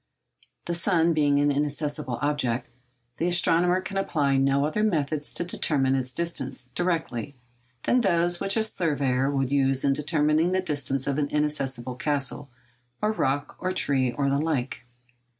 The sun being an inaccessible object, the astronomer can apply no other methods to determine its distance—directly—than those which a surveyor would use in determining the distance of an inaccessible castle, or rock, or tree, or the like.